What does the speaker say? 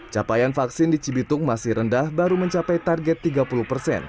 capaian vaksin di cibitung masih rendah baru mencapai target tiga puluh persen